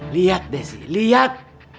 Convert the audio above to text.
lihat desi lihat